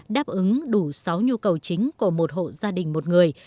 đáp ứng đủ sáu nhu cầu chính của một hộ gia đình một người